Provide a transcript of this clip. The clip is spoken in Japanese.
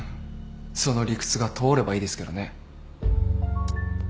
その理屈が通ればいいですけどね。